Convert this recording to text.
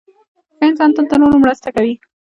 • ښه انسان تل د نورو مرسته کوي.